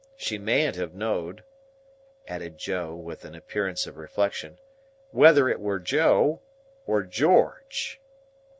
She mayn't have know'd," added Joe, with an appearance of reflection, "whether it were Joe, or Jorge."